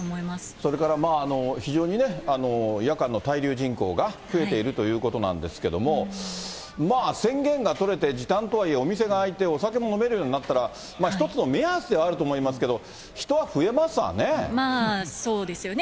それから非常に夜間の滞留人口が増えているということなんですけれども、宣言が取れて、時短とはいえ、お店が開いて、お酒も飲めるようになったら、一つの目安ではあると思いますけれども、まあ、そうですよね。